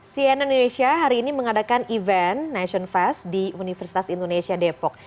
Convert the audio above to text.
cnn indonesia hari ini mengadakan event nation fest di universitas indonesia depok